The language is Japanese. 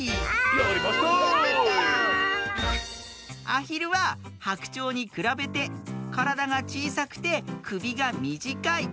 アヒルはハクチョウにくらべてからだがちいさくてくびがみじかい。